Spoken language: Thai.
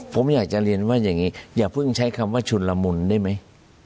ผมอยากจะเรียนว่าอย่างนี้อย่าเพิ่งใช้คำว่าชุนละมุนได้ไหม